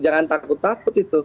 jangan takut takut itu